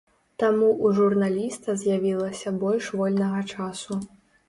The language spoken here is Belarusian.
Таму ў журналіста з'явілася больш вольнага часу.